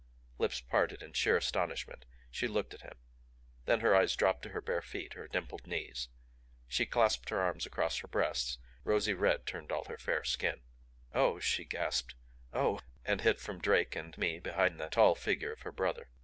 Lips parted in sheer astonishment, she looked at him. Then her eyes dropped to her bare feet, her dimpled knees. She clasped her arms across her breasts; rosy red turned all her fair skin. "Oh!" she gasped. "Oh!" And hid from Drake and me behind the tall figure of her brother.